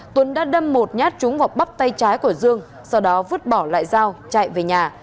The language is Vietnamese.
tuấn đã đâm một nhát trúng vào bắp tay trái của dương sau đó vứt bỏ lại dao chạy về nhà